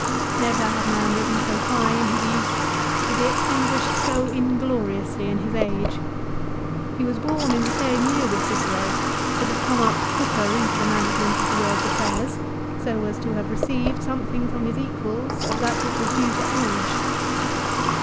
Never had man risen so high in his youth to be extinguished so ingloriously in his age. He was born in the same year with Cicero but had come up quicker into the management of the world's affairs, so as to have received something from his equals of that which was due to age.